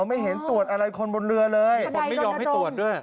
ไม่เห็นตรวจอะไรคนบนเรือเลยคนไม่ยอมให้ตรวจด้วย